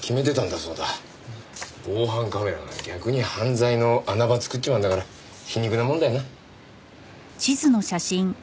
防犯カメラが逆に犯罪の穴場作っちまうんだから皮肉なもんだよな。